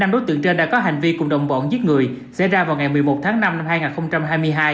năm đối tượng trên đã có hành vi cùng đồng bọn giết người xảy ra vào ngày một mươi một tháng năm năm hai nghìn hai mươi hai